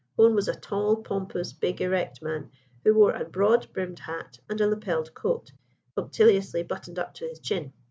Hone was a tall, pompous, big, erect man, who wore a broad brimmed hat and a lapelled coat, punctiliously buttoned up to his chin.